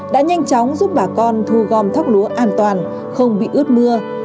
đã nhanh chóng giúp bà con thu gom thóc lúa an toàn không bị ướt mưa